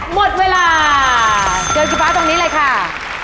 หมดเวลาเดินสีฟ้าตรงนี้เลยค่ะ